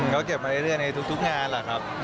เขาเก็บมาเรื่อยในทุกงานแหละครับ